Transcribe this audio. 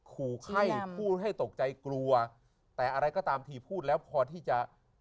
ขู่ไข้พูดให้ตกใจกลัวแต่อะไรก็ตามทีพูดแล้วพอที่จะ